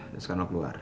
terus kan lo keluar